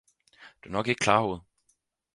Du er nok ikke klarhovedet!